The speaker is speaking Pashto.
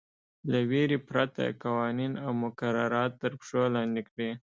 له وېرې پرته قوانین او مقررات تر پښو لاندې کړي.